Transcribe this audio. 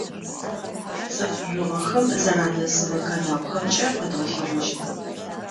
Цӏыф жъугъэхэм зэранэсырэ каналхэмкӏэ къэдгъэлъэгъощт.